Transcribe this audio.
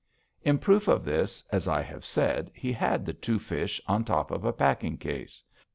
In proof of this, as I have said, he had the two fish on top of a packing case.